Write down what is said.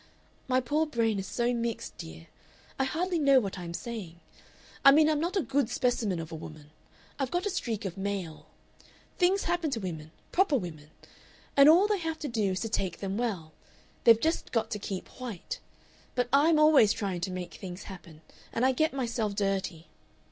My poor brain is so mixed, dear, I hardly know what I am saying. I mean I'm not a good specimen of a woman. I've got a streak of male. Things happen to women proper women and all they have to do is to take them well. They've just got to keep white. But I'm always trying to make things happen. And I get myself dirty...